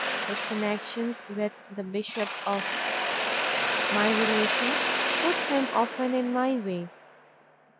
His connections with the Bishop of , my relation, put him often in my way.